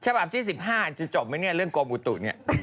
ฉบับที่๑๕จะจบไหมเนี่ยเรื่องโกบุตุเนี่ย